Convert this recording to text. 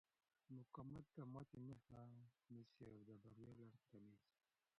مقاومت د ماتې مخه نیسي او د بریا لارې پرانیزي.